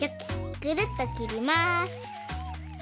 ぐるっときります。